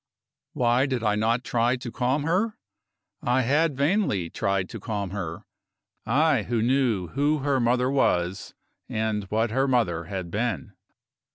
Why did I not try to calm her? I had vainly tried to calm her I who knew who her mother was, and what her mother had been.